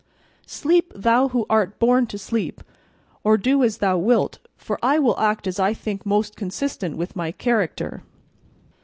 Sleep thou who art born to sleep, or do as thou wilt, for I will act as I think most consistent with my character."